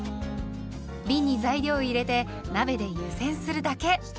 びんに材料を入れて鍋で湯煎するだけ。